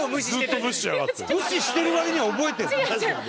無視してる割には覚えてるね。